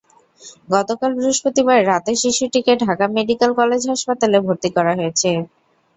গতকাল বৃহস্পতিবার রাতে শিশুটিকে ঢাকা মেডিকেল কলেজ হাসপাতালে ভর্তি করা হয়েছে।